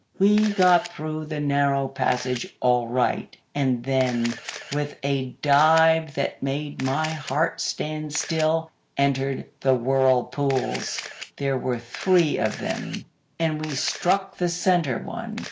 "We got through the narrow passage all right, and then, with a dive that made my heart stand still, entered the whirlpools. There were three of them, and we struck the centre one.